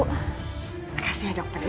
makasih ya dokter ya